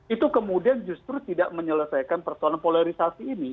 itu kemudian justru tidak menyelesaikan persoalan polarisasi ini